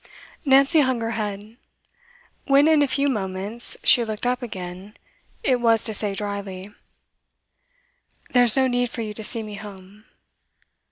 Nancy hung her head. When, in a few moments, she looked up again, it was to say drily: 'There's no need for you to see me home.